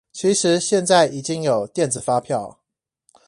其實現在已經有電子發票